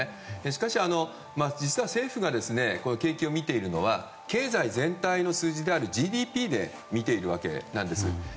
しかし、実は政府が景気を見ているのは経済全体の数字でありＧＤＰで見ているわけなんです。